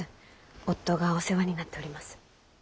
夫がお世話になっております。